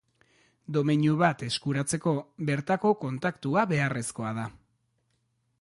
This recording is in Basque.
Domeinu bat eskuratzeko bertako kontaktua beharrezkoa da.